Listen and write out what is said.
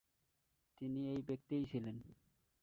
তিনি এই ব্যক্তিই ছিলেন।